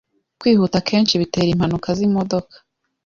Kwihuta akenshi bitera impanuka zimodoka.